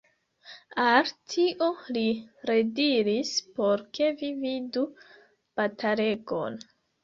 Al tio li rediris, por ke vi vidu batalegon.